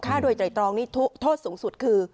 ค่าโดยไตรองนี้ทดสูงสุดคือ